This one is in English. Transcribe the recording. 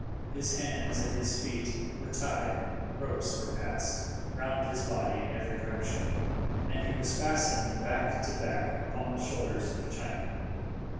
His hands and his feet were tied, ropes were passed round his body in every direction, and he was fastened back to back upon the shoulders of a Chinaman.